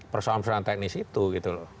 persoalan persoalan teknis itu gitu loh